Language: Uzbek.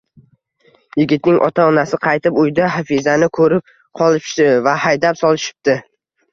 Yigitning ota-onasi qaytib, uyda Hafizani ko`rib qolishibdi va haydab solishibdi